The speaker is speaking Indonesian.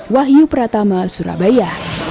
wahyu pratama surabaya